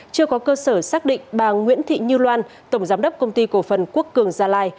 chưa có cơ sở xác định bà nguyễn thị như loan tổng giám đốc công ty cổ phần quốc cường gia lai